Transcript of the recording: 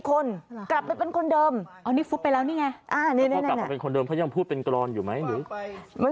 กลับไปเป็นคนเดิมเขายังพูดเป็นกรรมอยู่ไหม